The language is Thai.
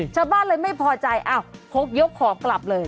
ชาวบ้านเลยไม่พอใจอ้าวพกยกของกลับเลย